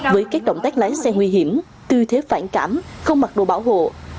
với các động tác lái xe nguy hiểm tư thế phản cảm không mặc đồ bảo hộ